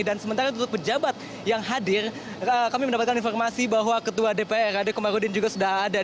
dan sementara itu pejabat yang hadir kami mendapatkan informasi bahwa ketua dpr rade kemarudin juga sudah ada